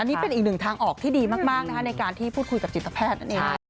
นี่เป็นอีกหนึ่งทางออกที่ดีมากนะคะในการที่พูดคุยกับจิตแพทย์นั่นเอง